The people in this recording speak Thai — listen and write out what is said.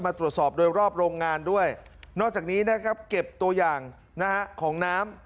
ตรวจสอบโดยรอบโรงงานด้วยนอกจากนี้นะครับเก็บตัวอย่างนะฮะของน้ำ